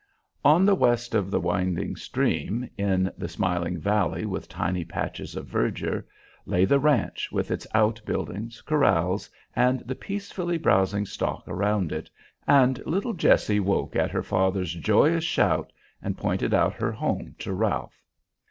On the west of the winding stream, in the smiling valley with tiny patches of verdure, lay the ranch with its out buildings, corrals, and the peacefully browsing stock around it, and little Jessie woke at her father's joyous shout and pointed out her home to Ralph.